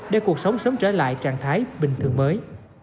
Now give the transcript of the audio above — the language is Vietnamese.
để cuộc sống sớm trở lại trạng thái bình thường mới